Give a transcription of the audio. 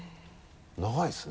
長いですね。